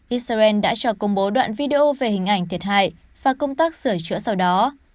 israel đã cho công bố đoạn video về hình ảnh thiệt hại và công tác sửa chữa sau đó